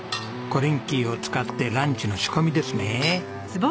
コリンキーを使ってランチの仕込みですね。